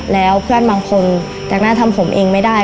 แล้วเพื่อนบางคนจากหน้าทำผมเองไม่ได้